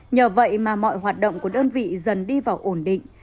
nhờ vậy mà mọi hoạt động của đơn vị dần đi vào ổn định